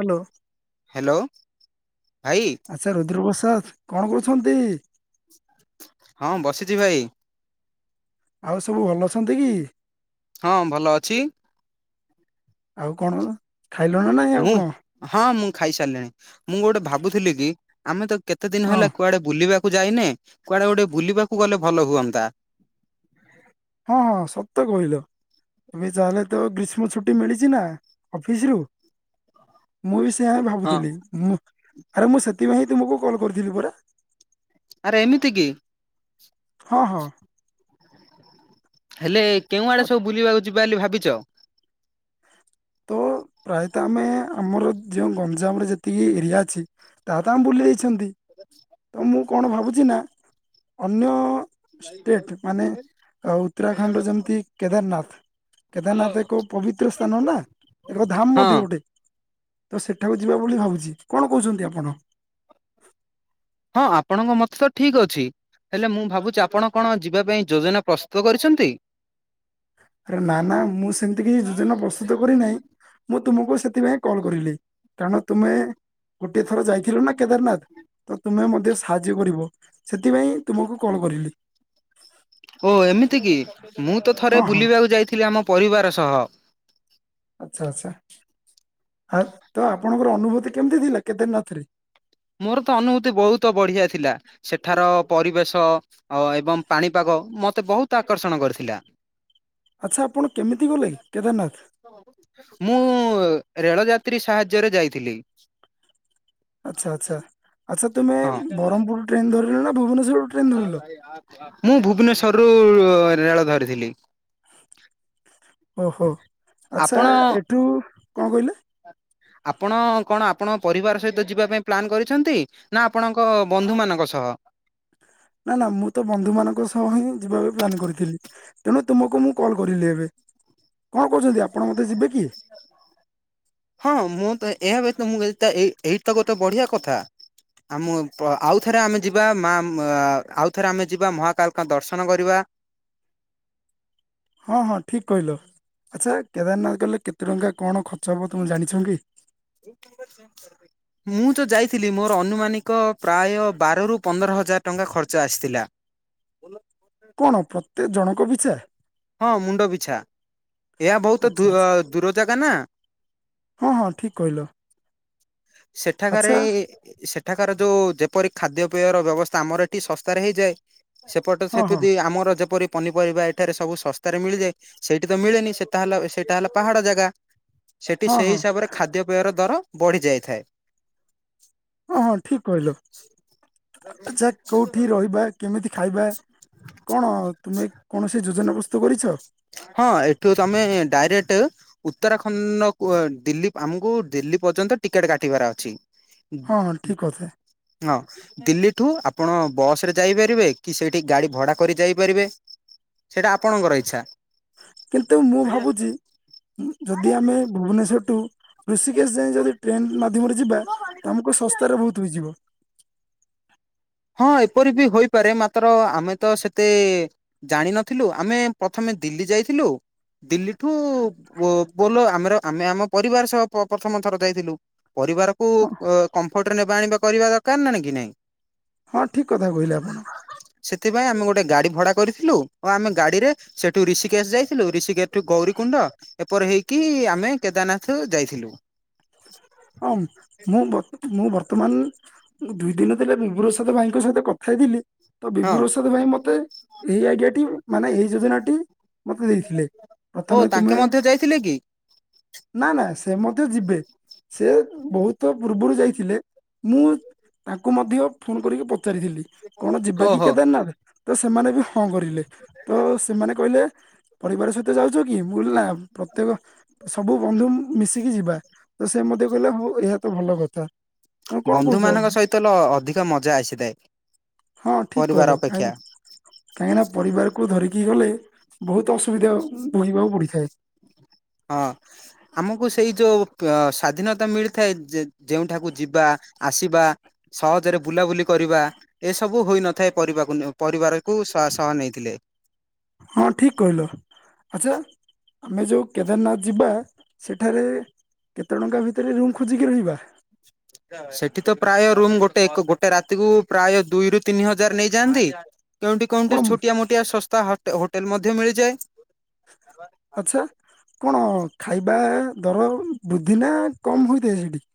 Hello. Hello ଭାଇ। ଆଛା ରୁଦ୍ରପ୍ରସାଦ କଣ କରୁଛନ୍ତି? ହଁ ବସିଛି ଭାଇ। ଆଉ ସବୁ ଭଲ ଅଛନ୍ତି କି? ହଁ ଭଲ ଅଛି। ଆଉ କଣ ଖାଇଲ ନା ନାଇଁ ଆଉ ମୁଁ କଣ? ହଁ ମୁଁ ଖାଇସାରିଲିଣି ମୁଁ ଗୋଟେ ଭାବୁଥିଲି କି ଆମେ ତ କେତେ ଦିନ ହଁ ହେଲା କୁଆଡେ ବୁଲିବା କୁ ଯାଇନେ କୁଆଡେ ଗୋଟେ ବୁଲିବାକୁ ଗଲେ ଭଲ ହୁଅନ୍ତା। ହଁ ସତ କହିଲ। ଏବେ ଯାହେଲେ ତ ଗ୍ରୀଷ୍ମ ଛୁଟି ମିଳିଛି ନା ଅଫିସ ରୁ। ମୁଁ ବି ସେଇଆ ହଁ ଭାବୁଥିଲି ମୁଁ ଆରେ ମୁଁ ସେଥିପାଇଁ ହିଁ ତୁମକୁ କଲ୍ କରିଥିଲି ପରା। ଆରେ ଏମିତି କି? ହଁ ହଁ। ହେଲେ କେଉଁ ଆ, ଆଡ଼େ ସବୁ ବୁଲିବାକୁ ଯିବା ବା ବୋଲି ଭାବିଚ? ତ ପ୍ରାୟତଃ ଆମେ ଆମର ଯେଉଁ ଗଞ୍ଜାମରେ ଯେତିକି ଏରିଆ ଅଛି ତା ତ ଆମେ ବୁଲିଯାଇଛନ୍ତି। ତ ମୁଁ କଣ ଭାବୁଛି ନା ଅନ୍ୟ ଷ୍ଟେଟ୍ ମାନେ ଉତ୍ତରାଖଣ୍ଡର ଯେମିତି କେଦାରନାଥ କେଦାରନାଥ ଏକ ପବିତ୍ର ସ୍ଥାନ ନା। ଏକ ଧାମ ହଁ ମଧ୍ୟ ଗୋଟେ ତ ସେଠାକୁ ଯିବା ବୋଲି ଭାବୁଛି କଣ କହୁଛନ୍ତି ଆପଣ? ହଁ ଆପଣଙ୍କ ମତ ତ ଠିକ ଅଛି। ହେଲେ ମୁଁ ଭାବୁଛି ଆପଣ କଣ ଯିବା ପାଇଁ ଯୋଜନା ପ୍ରସ୍ତୁତ କରିଛନ୍ତି। ରେ ନା ନା ମୁଁ ସେମିତି କିଛି ଯୋଜନା ପ୍ରସ୍ତୁତ କରିନାହିଁ। ମୁଁ ତୁମକୁ ସେଥିପାଇଁ କଲ୍ କରିଲି କାରଣ ତୁମେ ଗୋଟିଏ ଥର ଯାଇଥିଲ ନା କେଦାରନାଥ ତ ତୁମେ ମଧ୍ୟ ସାହାଯ୍ୟ କରିବ ସେଥିପାଇଁ ତୁମକୁ କଲ କରିଲି। ଓ ଏମିତି କି ମୁଁ ତ ହଁ ଥରେ ହଁ ବୁଲିବାକୁ ଯାଇଥିଲି ଆମ ପରିବାର ସହ। ଆଛା ଆଛା ତ ଆପଣଙ୍କର ଅନୁଭୂତି କେମତି ଥିଲା କେଦାରନାଥ ରେ? ମୋର ତ ଅନୁଭୂତି ବହୁତ ବଢିଆ ଥିଲା ସେଠାର ପରିବେଶ ଅ ଏବଂ ପାଣିପାଗ ମତେ ବହୁତ ଆକର୍ଷଣ କରିଥିଲା। ଆଛା ଆପଣ କେମିତି ଗଲେ କେଦାରନାଥ? ମୁଁ ରେଳ ଯାତ୍ରୀ ସାହାଯ୍ୟ ରେ ଯାଇଥିଲି। ଆଛା ଆଛା ଆଛା ତୁମେ ହଁ ବ୍ରହ୍ମପୁର ଟ୍ରେନ୍ ଧରିିଲ ନା ଭୁବନେଶ୍ୱର? ମୁଁ ଭୁବନେଶ୍ଵର ରୁ ରେଳ ଧରିଥିଲି। ଓ ହୋ ଆଛା ଆପଣ ଏଠୁ କଣ କହିଲେ? ଆପଣ କଣ ଆପଣ ପରିବାର ସହିତ ଯିବା ପାଇଁ ପ୍ଲାନ୍ କରିଛନ୍ତି? ନା ଆପଣଙ୍କ ବନ୍ଧୁ ମାନଙ୍କ ସହ? ନା ନା ମୁଁ ତ ବନ୍ଧୁମାନାନଙ୍କ ସହ ହିଁ ଯିବା ପାଇଁ ପ୍ଲାନ କରିଥିଲି। ତେଣୁ ତୁମକୁ ମୁଁ କଲ କରିଲି ଏବେ କଣ କଛନ୍ତି ଆପଣ ମତେ ଯିବେ କି [unintelligible] ହଁ ମୁଁ ତ ଏହା ବ୍ୟ ମୁଁ ଏଇ ଏଇଟା ଗୋଟେ ବଢିଆ କଥା ଆମ ଆଉଥରେ ଆମେ ଯିବା ମା ଆଉଥରେ ଆମେ ଯିବା ମହାକାଳଙ୍କ ଦର୍ଶନ କରିବା ହଁ ହଁ ଠିକ୍ କହିଲ ଆଛା କେଦାରନାଥ ଗଲେ କେତେ ଟଙ୍କା କଣ ଖର୍ଚ୍ଚ ହେବ ତୁମେ ଜାଣିଛ କି? [unintelligible] ହ [unintelligible] ମୁଁ ତ ଯାଇଥିଲି ମୋର ଅନୁମାନିକ ପ୍ରାୟ ବାରରୁ ପନ୍ଦର ହଜାର ଟଙ୍କା ଖର୍ଚ୍ଚ ଆସିଥିଲା। କଣ ପ୍ରତି ଜଣଙ୍କ ପିଛା? ହଁ ମୁଣ୍ଡ ବିିଛା ଏହା ବହୁତ ଆଚ୍ଛା ଦୂ ଆଚ୍ଛା ଦୂର ଜାଗା ନା। ହଁ ହଁ ଠିକ୍ କହିଲ। ସେଠାକାରେ ଆଚ୍ଛା ସେଠାକାର ଯୋଉ ଯେପରି ଖାଦ୍ୟ ପେୟର ବ୍ୟବସ୍ଥା, ଆମର ଏଠି ଶସ୍ତାରେ ହେଇଯାଏ। ସେପଟ ହଁ ହଁ ସେପିତି ଆମର ଯେପରି ପନିପରିବା ଏଠାରେ ସବୁ ଶସ୍ତାରେ ମିଳିଯାଏ, ସେଇଠି ତ ମିଳେନି ସେତା ହେଲା ସେଟା ହେଲା ପାହାଡ ଜାଗା, ସେଠି ହଁ ସେଇ ହଁ ହିସାବରେ ଖାଦ୍ୟପେୟର ଦର ବଢ଼ି ଯାଇଥାଏ। ହଁ ହଁ ଠିକ କହିଲ। ଆଚ୍ଛା କୋଉଠି ରହିବା କେମିତି ଖାଇବା କଣ ତୁମେ କୌଣସି ଯୋଜନା ପ୍ରସ୍ତୁତ କରିଛ? ହଁ ଏଠୁ ତମେ ଡାଇରେକ୍ଟ ଉତ୍ତରାଖଣ୍ଡ କୁ ଦିଲ୍ଲୀ ଆମକୁ ଦିଲ୍ଲୀ ପର୍ଯ୍ୟନ୍ତ ଟିକେଟ କାଟିବାର ଅଛି। ହଁ [unintelligible] ହଁ ଠିକ କଥା ହଁ ଦିଲ୍ଲୀଠୁ ଆପଣ ବସ ରେ ଯାଇପାରିବେ କି ସେଇଠି ଗାଡି ଭଡା କରି ଯାଇପାରିବେ। ସେଇଟା ଆପଣଙ୍କର ଇଚ୍ଛା। କିନ୍ତୁ ମୁଁ ଭାବୁଚି ଯଦି ଆମେ ଭୁବନେଶ୍ଵରଠୁ ଋଷିକେଶ ଯାଇ ଯଦି ଟ୍ରେନ୍ ମାଧ୍ୟମରେ ଯିବା, ତ ଆମକୁ ଶସ୍ତାରେ ବହୁତ ହୋଇଯିବ। ହଁ ଏପରି ବି ହୋଇପାରେ ମାତ୍ର ଆମେ ତ ସେତେ ଜାଣିିନଥିଲୁ, ଆମେ ପ୍ରଥମେ ଦିଲ୍ଲୀ ଯାଇଥିଲୁ। ଦିଲ୍ଲୀଠୁ ବୋ-ବୋଲ ଆମର ଆମେ ଆମ ପରିବାର ସହ ପ୍ରଥମ ଥର ଯାଇଥିଲୁ। ପରିବାରକୁ ହଁ ଏ କମ୍ଫର୍ଟରେ ନେବା ଆଣିବା କରିବା ଦରକାର ନା ନାଇଁ କି ନାଇଁ? ହଁ ଠିକ୍ କଥା କହିଲେ ଆପଣ। ସେଥିପାଇଁ ଆମେ ଗୋଟେ ଗାଡି ଭଡା କରିଥିଲୁ ଓ ଆମେ ଗାଡିରେ ସେଠୁ ରିଷିକେଶ ଯାଇଥିଲୁ ରିଷିକେଶ ଏଠୁ ଗୌରୀକୁଣ୍ଡ ଏପର ହେଇକି ଆମେ କେଦାରନାଥ ଯାଇଥିଲୁ। ହଁ ମୁଁ ବର୍ତ୍ତ ମୁଁ ବର୍ତ୍ତମାନ ମୁଁ ଦୁଇ ଦିନ ଥିଲା ବିଭୁ ପ୍ରସାଦ ଭାଇଙ୍କ ସହିତ କଥା ହେଇଥିଲି ତ ବିଭୁ ହଁ ପ୍ରସାଦ ଭାଇ ମତେ ଏଇ ଆଇଡିଆ ଟି ମାନେ ଏଇ ଯୋଜନାଟି ମତେ ଦେଇଥିଲେ। ଓ ପ୍ରଥମେ ତାଙ୍କେ ତୁମେ ମଧ୍ୟ ଯାଇଥିଲେ କି? ନା ନା ସେ ମଧ୍ୟ ଯିବେ। ସେ ବହୁତ ପୁର୍ବୁରୁ ଯାଇଥିଲେ, ମୁଁ ତାଙ୍କୁ ମଧ୍ୟ ଫୋନ କରିକି ପଚାରିଥିଲି କଣ ଯିବା କି ଓହୋ କେଦାରନାଥ? ତ ସେମାନେ ବି ହଁ କରିଲେ ତ ସେମାନେ କହିଲେ ପରିବାର ସହିତ ଯାଉଛ କି? ବୁଲ୍ ନା ପ୍ରତ୍ୟେକ ସବୁ ବନ୍ଧୁ ମିଶିକି ଯିବା। ତ ସେ ମଧ୍ୟେ କହିଲେ ହଉ ଏହା ତ ଭଲ କଥା। ତମେ କଣ ବନ୍ଧୁ କହୁଛ ମାନଙ୍କ ସହିତ ଲ ଅଧିକ ମଜା ଆସିଥାଏ, ପରିବାର ଅପେକ୍ଷା। କାହିଁକିନା ପରିବାରକୁ ଧରିକି ଗଲେ ବହୁତ ଅସୁବିଧା ବୋହିବାକୁ ପଡ଼ିଥାଏ। ହଁ ଆମକୁ ସେଇ ଯୋଉ ଅ ସ୍ଵାଧୀନତା ମିଳିଥାଏ ଯେ-ଯେଉଁଠାକୁ ଯିବା ଆସିବା, ସହଜରେ ବୁଲାବୁଲି କରିବା ଏସବୁ ହୋଇନଥାଏ ପରିବାକୁ ନେଉ ପରିବାରକୁ ସ-ସହ ନେଇଥିଲେ। ହଁ ଠିକ କହିଲ ଆଚ୍ଛା ଆମେ ଯୋଉ କେଦାରନାଥ ଯିବା, ସେଠାରେ କେତେ ଟଙ୍କା ଭିତରେ ରୁମ୍ ଖୋଜିକି ରହିବା? [unintelligible] ସେଠି ତ ପ୍ରାୟ ରୁମ୍ ଗୋଟେ କୁ, ଗୋଟେ ରାତିକୁ ପ୍ରାୟ ଦୁଇରୁ ତିନି ହଜାର ନେଇଯାନ୍ତି। କେଉଁଠି କେଉଁଠି କଣ ଛୋଟିଆ ମୋଟିଆ ଶସ୍ତା ହଟେ ହୋଟେଲ ମଧ୍ୟ ମିଳିଯାଏ। ଆଚ୍ଛା, କଣ ଖାଇବା ଦର ବୃଦ୍ଧି ନା କମ୍ ହୋଇଥାଏ ସିଠି?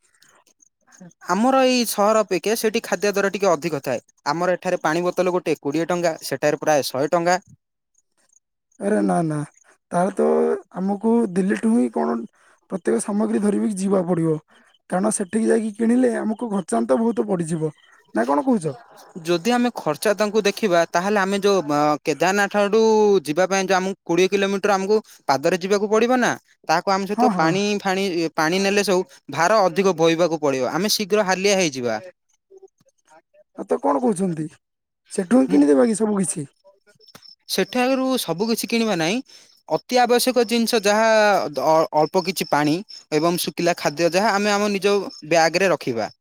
ଆମର ଏଇ ସହର ଅପେକ୍ଷା ସେଇଠି ଖାଦ୍ୟ ଦର ଟିକେ ଅଧିକ ଥାଏ। ଆମର ଏଠାରେ ପାଣି ବୋତଲ ଗୋଟେ କୋଡିଏ ଟଙ୍କା ସେଠାରେ ପ୍ରାୟେ ଶହେ ଟଙ୍କା। ଆରେ ନା ନା ତାହେଲେ, ତ ଆମକୁ ଦିଲ୍ଲୀଠୁ ହିଁ କଣ ପ୍ରତ୍ୟେକ ସାମଗ୍ରୀ ଧରିକି ଯିବାକୁ ପଡିବ। କାରଣ ସେଠିକି ଯାଇକି କିଣିଲେ ଆମୁକୁ ଖର୍ଚ୍ଚାନ୍ତ ବହୁତ ପଡିଯିବ। ନା କଣ କହୁଛ ଯଦି ଆମେ ଖର୍ଚ୍ଚା ତାଙ୍କୁ ଦେଖିବା ତାହେଲେ ଆମେ ଯୋଉ ମ କେଦାରନାଥଠୁ ଯିବା ପାଇଁ ଯୋଉ ଆମୁକୁ କୋଡ଼ିଏ କିଲୋମିଟର ଆମୁକୁ ପାଦରେ ଯିବାକୁ ପଡିବ ନା ତାହାକୁ ଆମ ହଁ ସହିତ ହଁ ପାଣି ଫାଣି ପାଣି ନେଲେ ସବୁ ଭାର ଅଧିକ ବୋହିବାକୁ ପଡିବ, ଆମେ ଶୀଘ୍ର ହାଲିଆ ହେଇଯିବା। ଆ ଆଉ ତ କଣ କହୁଛନ୍ତି ସେଠୁ ହିଁ ମୁଁ କିଣିଦବା କି ସବୁ କିିଛି ସେଠାରୁ ସବୁ କିଛି କିଣିବା ନାହିଁ ଅତି ଆବଶ୍ୟକ ଜିନିଷ ଯାହା ଅଳ୍ପ କିଛି ପାଣି ଏବଂ ଶୁଖିଲା ଖାଦ୍ୟ ଯାହା ଆମେ ଆମ ନିଜ ବ୍ୟାଗ ରେ ରଖିବା।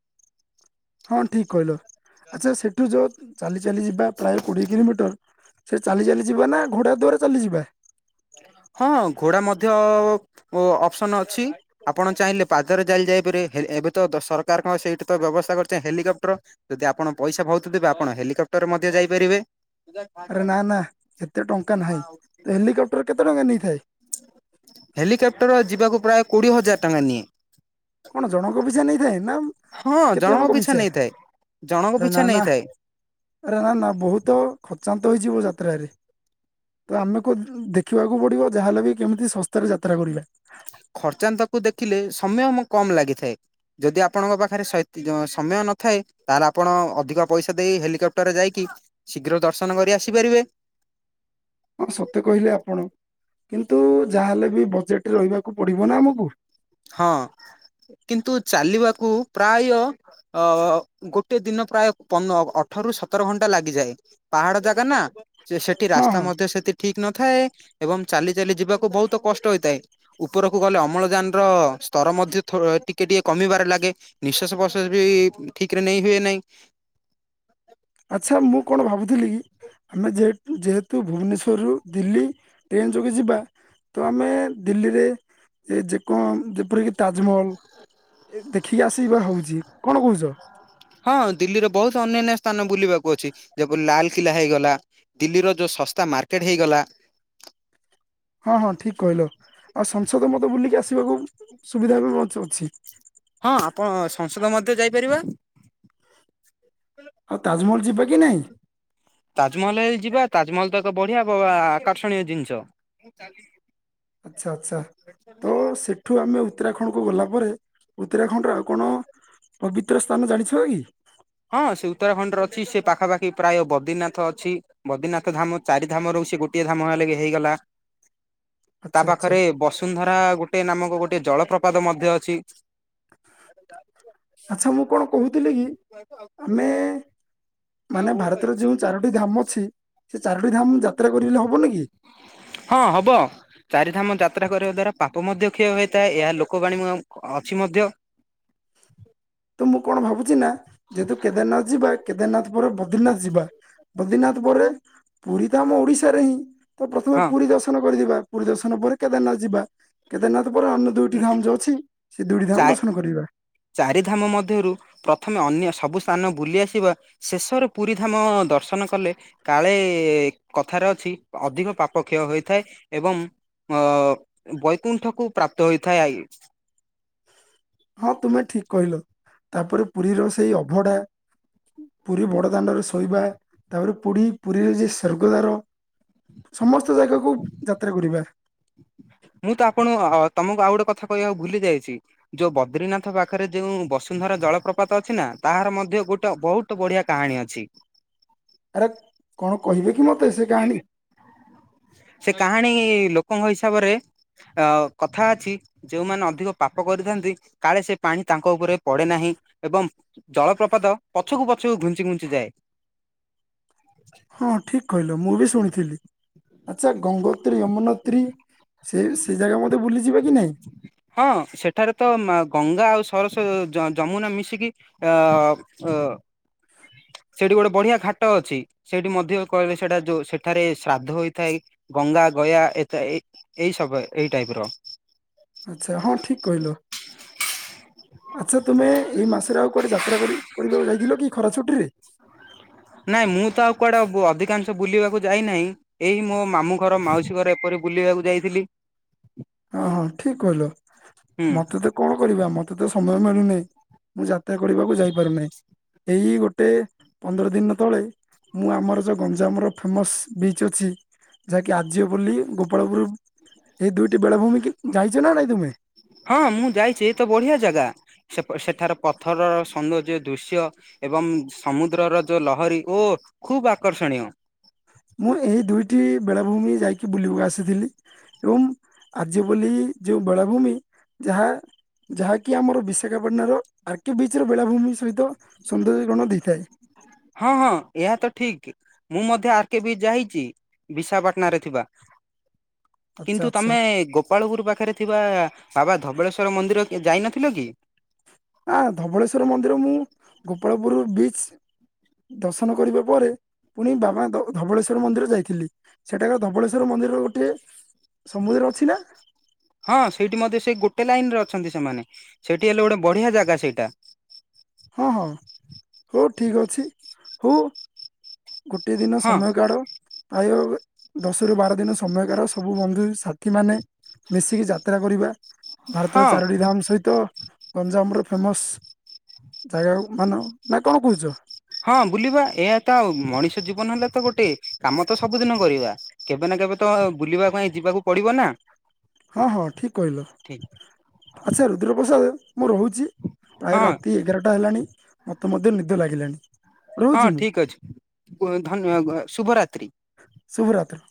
ହଁ ଠିକ କହିଲ ଆଚ୍ଛା ସେଠୁ ଯୋଉ ଚାଲି ଚାଲି ଯିବା ପ୍ରାୟ କୋଡିଏ କିଲୋମିଟର ସେ ଚାଲି ଚାଲିଯିବା ନା ଘୋଡ଼ା ଦ୍ୱରେ ଚାଲିଯିବା। ହଁ ଘୋଡ଼ା ମଧ୍ୟ ଅପସନ୍ ଅଛି। ଆପଣ ଚାହିଁଲେ ପାଦରେ ଚାଲି ଯାଇପାରେ ଏବେ ତ ସରକାର କଣ ସେଇଠି ତ ବ୍ୟବସ୍ଥା କରିଛନ୍ତି ହେଲିକପ୍ଟର ଯଦି ଆପଣ ପଇସା ବହୁତଦେବେ, ଆପଣ ହେଲିକପ୍ଟର ରେ ମଧ୍ୟ ଯାଇପାରିବେ। ଆରେ ନା ନା ଏତେ ଟଙ୍କା ନାହିଁ। ତ ହେଲିକେପ୍ଟର କେତେ ଟଙ୍କା ନେଇଥାଏ? ହେଲିକାପ୍ଟର ଯିବାକୁ ପ୍ରାୟ କୋଡିଏ ହଜାର ଟଙ୍କା ନିଏ। କଣ ଜଣଙ୍କ ପିଛା ନେଇଥାଏ ନା ହଁ ଜଣଙ୍କ ପିଛା ନେଇଥାଏ, ଜଣଙ୍କ ଆରେ ନା ପିଛା ନା ନେଇଥାଏ। ଆରେ ନା ନା ବହୁତ ଖର୍ଚ୍ଚାନ୍ତ ହେଇଯିବୁ ଯାତ୍ରାରେ, ତ ଆମେକହୁଚୁଦେଖ ଦେଖିବାକୁ ପଡ଼ିବ ଯାହା ହେଲେ ବି କେମିତି ଶସ୍ତାରେ ଯାତ୍ରା କରିବା। ଖର୍ଚ୍ଚାନ୍ତକୁ ଦେଖିଲେ ସମୟ ମ୍ କମଲାଗିଥାଏ। ଯଦି ଆପଣଙ୍କ ପାଖରେ ସହିତସମୟ ନଥାଏ ତାହେଲେ ଆପଣ ଅଧିକ ପଇସା ଦେଇ ହେଲିକପ୍ଟରରେ ଯାଇକି ଶୀଘ୍ର ଦର୍ଶନ କରି ଆସିପାରିବେ। ହଁ ସତେ କହିଲେ ଆପଣ। କିନ୍ତୁ ଯାହାହେଲେ ବି ବଜେଟରେ ରହିବାକୁ ପଡିବ ନା ଆମକୁ। ହଁ, କିନ୍ତୁ ଚାଲିବାକୁ ପ୍ରାୟ ଅ ଗୋଟେ ଦିନ ପ୍ରାୟ ପ ଅଠରରୁ ସତର ଘଣ୍ଟା ଲାଗିଯାଏ। ପାହାଡ ଜାଗା ନା, ସେ ସେଠି ହଁ ରାସ୍ତା ହଁ ମଧ୍ୟ ସେଠ ଠିକ ନଥାଏ ଏବଂ ଚାଲି ଚାଲି ଯିବାକୁ ବହୁତ କଷ୍ଟ ହୋଇ। ଉପରକୁ ଗଲେ ଅମଳଜାନ ଅ ସ୍ତର ମଧ୍ୟ ଥର ଏ ଟିକ କେ ଟିକେ କମିବାରେ ଲାଗେ। ନିଶ୍ୱାସ ପ୍ରଶ୍ୱାସ ବି ଠିକରେ ନେଇ ହୁଏ ନହିଁ। ଆଚ୍ଛା ମୁଁ କଣ ଭାବୁଥିଲି କି? ଆମେ ଯେ ଯେହେତୁ ଭୁବନେଶ୍ୱରରୁ ଦିଲ୍ଲୀ ଟ୍ରେନ୍ ଯୋଗେ ଯିବା। ତ ଆମେ ଦିଲ୍ଲୀରେ ଯେକଣ ଯେପରିକି ତାଜମହଲ, ଦେଖିକି ଆସିବା ହଉଛି କଣ କହୁଛ? ହଁ ଦିଲ୍ଲୀରେ ବହୁତ ଅନ୍ୟାନ୍ୟ ସ୍ଥାନ ବୁଲିବାକୁ ଅଛି। ଯେପରି ଲାଲକା ହେଇଗଲା ଦିଲ୍ଲୀର ଯେଉଁ ଶସ୍ତା ମାର୍କେଟ୍ ହେଇଗଲା। ହଁ ହଁ ଠିକ କହିଲ। ଆଉ ସଂସଦ ମତେ ବୁଲିକି ଆସିବାକୁ ସୁବିଧା ବି ଅଛି। ହଁ ଆପଣ ସଂସଦ ମଧ୍ୟ ଯାଇପାରିବା। ଆଉ ତାଜମହଲ ଯିବା କି ନାହିଁ? ତାଜମହଲ ହେଇ ଯିବା। ତାଜମହଲତ ଏକ ବଢିଆ ଆକର୍ଷଣୀୟ ଜିନିଷ। ଚାଲିକି ଆଚ୍ଛା ଆଚ୍ଛା, ତ ସେ ଏଠୁ ଆମେ ଉତ୍ତରାଖଣ୍ଡକୁ ଗଲା ପରେ, ଉତ୍ତରାଖଣ୍ଡର ଆଉ କଣ ପବିତ୍ର ସ୍ଥାନ ଜାଣିଛ କି? ହଁ ସେ ଉତ୍ତରାଖଣ୍ଡରେ ଅଛି। ସେ ପାଖାପାଖି ପ୍ରାୟ ବଦ୍ରିନାଥ ଅଛି। ବଦିନାଥ ଧାମ ଚାରି ଧାମ ରହୁଛି ଗୋଟିଏ ଧାମ ହେଲେି ହେଇଗଲା। ତା ଆଚ୍ଛା ଆଚ୍ଛା ପାଖରେ ବସୁନ୍ଧରା ଗୋଟେ ନାମକ ଗୋଟେ ଜଳପ୍ରପାତ ମଧ୍ୟ ଅଛି। ଯା ଆଚଛା ମୁଁ କଣ କହୁଥିଲି କି? ଆମେ ହଁ ମାନେ ବୋଲ ଭାରତର ଭାଇ। ଯେଉଁ ଚାରୋଟି ଧାମ ଅଛି ସେ ଚାରୋଟି ଧାମ ଯାତ୍ରା କରେ ହବନ କି? ହଁ ହବ। ଚାରିଧାମ ଯାତ୍ରା କରିବା ଦ୍ଵାରା ପାପ ମଧ୍ୟ କ୍ଷୟ ହୋଇଇଥାଏ। ଏହା ଲୋକବାଣୀ ଅଛି ମଧ୍ୟ। ତ ମୁଁ କଣ ଭାବୁଛି ନା, ଯେହେତୁ କେଦାରନାଥ ଯିବା କେଦାରନାଥ ପରେ ବଦ୍ରିନାଥ ଯିବା। ବଦ୍ରିନାଥ ପରେ ପୁରୀତ ଆମ ଓଡିଶାରେ ହିଁ। ତ ପ୍ରଥମେ ହଁ ପୁରୀ ଦର୍ଶନ କରିଦିବା। ପୁରୀ ଦର୍ଶନ ପରେ କେଦାରନାଥ ଯିବା। କେଦାରନାଥ ପରେ ଅନୁ ଦୁଇଟି ଧାମ୍ ଯୋଉ ଅଛି ସେ ଦୁଇଟି ଧାମ୍ ଚା ଦର୍ଶନ କରିବା। ଚାରିଧାମ ମଧ୍ୟରୁ ପ୍ରଥମେ ଅନ୍ୟ ସବୁ ସ୍ଥାନ ବୁଲି ଆସିବା ଶେଷରେ ପୁରୀ ଧାମ ଦର୍ଶନ କଲେ କାଳେ କଥାରେ ଅଛି ଅଧିକ ପାପ କ୍ଷୟ ହୋଇଥାଏ ଏବଂ ଅ ବୈକୁଣ୍ଠକୁ ପ୍ରାପ୍ତ ହୋଇଥାଏ ଆଇ। ହଁ ତୁମେ ଠିକ୍ କହିଲ ତାପରେ ପୁରୀର ସେଇ ଅଭଢା। ପୁରୀ ବଡ ଦାଣ୍ଡରେ ଶୋଇବା ତାପରେ ପୁଡି ପୁରୀର ଯେ ସ୍ଵର୍ଗଦାର। ସମସ୍ତ ଜାଗାକୁ ଯାତ୍ରା କରିବା। ମୁଁ ତ ଆପଣ ତମକୁ ଆଉ ଗୋଟେ କଥା କହିବାକୁ ଭୁଲି ଯାଇଛି। ଯୋଉ ବଦ୍ରିନାଥ ପାଖରେ ଯେଉଁ ବସୁନ୍ଧରା ଜଳପ୍ରପାତ ଅଛି ନା ତାହାର ମଧ୍ୟ ଗୋଟେ ବହୁତ ତୁ ବଢିଆ କାହାଣୀ ଅଛି। ଆରେ କଣ କହିବେ କି ମତେ ସେ କାହାଣୀ? ସେ କାହାଣୀ ଲୋକଙ୍କ ହିସାବରେ ଅ କଥା ଅଛି ଯୋଉମାନେ ଅଧିକ ପାପ କରିଥାନ୍ତି କାଳେ ସେ ପାଣି ତାଙ୍କ ଉପରେ ପଡେ ନାହିଁ। ଏବଂ ଜଳପ୍ରପାତ ପଛୁକୁ ପଛୁକୁ ଘୁଞ୍ଚି ଘୁଞ୍ଚି ଯାଏ। ହଁ ଠିକ୍ କହିଲ ମୁଁ ବି ଶୁଣିଥିଲି ଆଚ୍ଛା ଗଙ୍ଗୋତ୍ରୀ ଯମୁନେତ୍ରୀ ସେ ସେ ଜାଗା ମତେ ବୁଲିଯିବା କି ନାଇଁ? ହଁ ସେଠାରେ ତ ମା ଗଙ୍ଗା ଆଉ ସରସ୍ଵ ଯ ଯମୁନା ମିଶିକି ଆ ଅ ସେଟି ଗୋଟେ ବଢିଆ ଘାଟ ଅଛି ସେଇଠି ମଧ୍ୟ କହିଲେ ସେଇଟା ଯୋଉ ସେଠାରେ ଶ୍ରାଦ୍ଧ ହୋଇଥାଏ। ଗଙ୍ଗା ଗୟା ଏକା ଏଇ ଏଇ ସବେ ଏଇ ଟାଇପ ର। ଆଚ୍ଛା ହଁ ଠିକ୍ କହିଲ। ଆଚ୍ଛା ତୁମେ ଏଇ ମାସରେ ଆଉ କୁଆଡେ ଯାତ୍ରା କରି କରିବାକୁ ଯାଇଥିଲ କି ଖରା ଛୁଟି ରେ? ନାଇଁ ମୁଁ ତ ଆଉ କୁଆଡେ ବ ଅଧିକାଂଶ ବୁଲିବାକୁ ଯାଇନାହିଁ। ଏଇ ମୋ ମାମୁଁ ଘର, ମାଉସୀ ଘର ଏପରି ବୁଲିବାକୁ ଯାଇଥିଲି। ଓ ହଁ ଠିକ୍ କହିଲ ହୁଁ। ମତେ ତ କଣ କରିବା ମତେ ତ ସମୟ ମିଳୁନେଇ ମୁଁ ଯାତ୍ରା କରିବାକୁ ଯାଇପାରୁନାହିଁ। ଏଇ ଗୋଟେ ପନ୍ଦର ଦିନ ର ତଳେ। ମୁଁ ଆମର ଯଉ ଗଞ୍ଜାମର ଫେମସ୍ ବିଚ୍ ଅଛି। ଯାହାକି ଆଜିବ ବୋଲି ଗୋପାଳପୁରୁ ଏଇ ଦୁଇଟି ବେଳାଭୂମି କି ଯାଇଚ ନା ନାଇଁ ତୁମେ? ହଁ ମୁଁ ଯାଇଛି ଏ ତ ବଢିଆ ଜାଗା ସେପ ସେଠାର ପଥରର ସୌନ୍ଦର୍ଯ୍ୟ ଦୃଶ୍ୟ ଏବଂ ସମୁଦ୍ରର ଯୋଉ ଲହରୀ ଓ ଖୁବ ଆକର୍ଷଣୀୟ। ମୁଁ ଏହି ଦୁଇଟି ବେଳାଭୂମି ଯାଇକି ବୁଲିବୁ ଆସିଥିଲି। ଏବଂ ଆର୍ଯ୍ୟ ବୋଲି ଯେଉଁ ବେଳାଭୂମି ଯାହା ଯାହାକି ଆମର ବିଶାଖାପାଟଣ ର ଆର୍କେବିଚ ର ବେଳାଭୂମି ସହିତ ସୌନ୍ଦର୍ଯ୍ୟକରଣ ଦେଇଥାଏ। ହଁ ହଁ ଏହା ତ ଠିକ ମୁଁ ମଧ୍ୟ ଆର୍ କେ ବି ଯାଇଚି ବିଶାଖାପାଟଣା ରେ ଥିବା। [inaudible] କିନ୍ତୁ ଆଚ୍ଛା। ତମେ ଗୋପାଳ ପୁରୁ ପାଖରେ ଥିବା ବାବା ଧବଳେଶ୍ଵର ମନ୍ଦିର କି ଯାଇନଥିଲ କି? ଆଁ ଧବଳେଶ୍ୱର ମନ୍ଦିର ମୁଁ ଗୋପାଳପୁରୁ ବିଚ୍ ଦର୍ଶନ କରିବା ପରେ ପୁଣି ବାବା ଧବ ଧବଳେଶ୍ବର ମନ୍ଦିର ଯାଇଥିଲି। ସେଟାକାର ଧବଳେଶ୍ୱର ମନ୍ଦିରର ଗୋଟିଏ ସମୁଦ୍ରରେ ଅଛି ନା? ହଁ ସେଇଠି ମଧ୍ୟ ସେ ଗୋଟେ ଲାଇନ ରେ ଅଛନ୍ତି ସେମାନେ ସେଇଠି ହେଲେ ଗୋଟେ ବଢିଆ ଜାଗା ସେଇଟା। ହଁ ହଁ ହଉ ଠିକ ଅଛି, ହଉ। ଗୋଟେ ଦିନ ହଁ ସମୟ କାଢ ପ୍ରାୟ ଦଶ ରୁ ବାର ଦିନ ସମୟ କାଢ଼ ସବୁ ବନ୍ଧୁ ସାଥି ମାନେ ମିଶିକି ଯାତ୍ରା କରିବା ଭାରତରେ ହଁ ଚାରୋଟି ଧାମ ସହିତ ଗଞ୍ଜାମ ର ଫେମସ ଜାଗାକୁ ମାନ ନା କଣ କହୁଛ? ହଁ ବୁଲିବା ଏହା ତ ଆଉ ମଣିଷ ଜୀବନ ହେଲା ତ ଗୋଟେ କାମ ତ ସବୁଦିନ କରିବା। କେବେ ନା କେବେ ତ ବୁଲିବା ପାଇଁ ଯିବାକୁ ପଡିବ ନା। ହଁ ହଁ ଠିକ୍ କହିଲ ଠିକ ଆଚ୍ଛା ରୁଦ୍ରପ୍ରସାଦ ମୁଁ ରହୁଚି। ପ୍ରାୟ ହଁ ରାତି ଏଗାରଟା ହେଲାଣି ମତେ ମଧ୍ୟ ନିଦ ଲାଗିଲାଣି। ହଁ ରହୁଛି ମୁଁ ଠିକ୍ ଅଛି ଧନ୍ୟ ଶୁଭରାତ୍ରି। ଶୁଭରାତ୍ର।